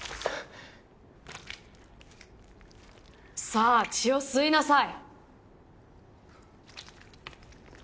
さぁ血を吸いなさい！